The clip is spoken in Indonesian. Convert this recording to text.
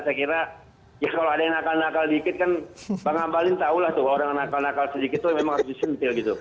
saya kira ya kalau ada yang nakal nakal dikit kan bang ambalin tahulah tuh orang yang nakal nakal sedikit tuh memang harus disimpil gitu